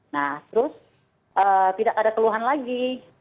nah terus tidak ada keluhan lagi